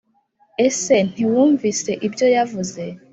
Ese ntiwumvise ibyo yavuze.